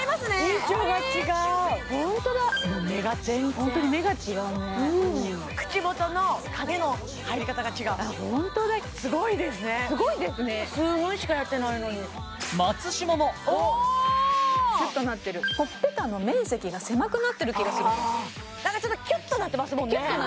印象が違うホントだ目が全然目が違うね口元の影の入り方が違うホントだすごいですねすごいですね数分しかやってないのに松嶋もほっぺたの面積が狭くなってる気がするもんなんかちょっとキュッとなってますもんね